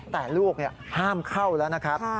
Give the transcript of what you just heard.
แต่ลูกห้ามเข้าแล้วนะครับ